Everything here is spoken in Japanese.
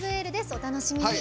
お楽しみに。